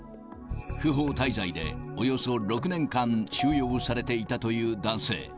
不法滞在でおよそ６年間収容されていたという男性。